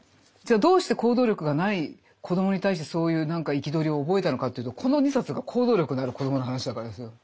どうして行動力がない子どもに対してそういう憤りを覚えたのかというとこの２冊が行動力のある子どもの話だからですよ。